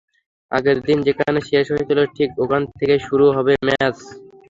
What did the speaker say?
আগের দিন যেখানে শেষ হয়েছিল, ঠিক ওখান থেকেই শুরু হবে ম্যাচ।